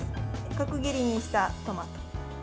角切りにしたトマト。